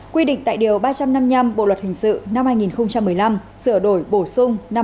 quy định tại điều ba trăm năm mươi năm bộ luật hình sự năm hai nghìn một mươi năm sửa đổi bổ sung năm hai nghìn một mươi bảy